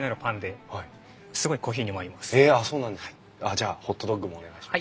じゃあホットドッグもお願いします。